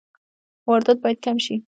واردات باید کم شي